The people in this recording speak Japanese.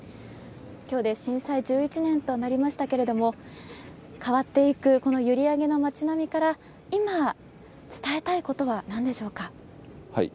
今日で震災１１年となりましたけれども変わっていく閖上の街並みから今、伝えたいことは何でしょうか。